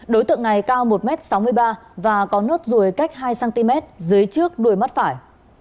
đối tượng này cao một m sáu mươi ba và có nốt ruồi cách hai cm dưới trước đuôi mắt phải